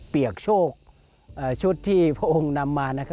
ยกโชคชุดที่พระองค์นำมานะครับ